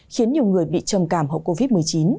khiến nhiều người bị trầm cảm hậu covid một mươi chín